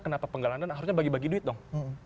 kenapa penggalangan dana harusnya bagi bagi duit dong